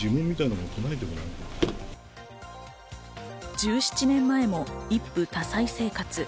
１７年前も、一夫多妻生活。